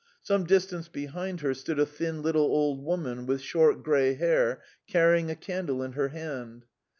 Some distance behind her stood a thin little old woman with short grey hair, carrying a candle in her hand.